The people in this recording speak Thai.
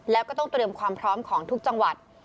แล้วก็ต้องเตรียมความพร้อมของทุกจังหวัด